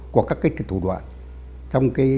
của các thủ đoạn